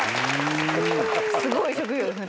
すごい職業ですね。